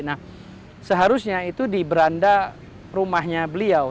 nah seharusnya itu di beranda rumahnya beliau